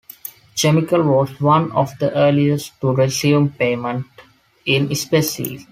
Chemical was one of the earliest to resume payments in specie.